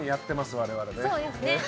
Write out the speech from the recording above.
我々ね。